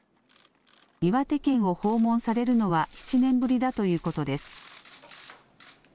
岩手県を訪問されるのは７年ぶりだということです。